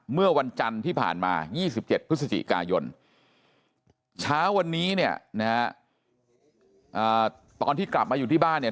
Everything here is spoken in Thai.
เมื่อวันจันทร์ที่ผ่านมา๒๗พฤศจิกายนเช้าวันนี้เนี่ยนะฮะตอนที่กลับมาอยู่ที่บ้านเนี่ย